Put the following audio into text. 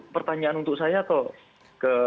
pertanyaan untuk saya atau ke mas umar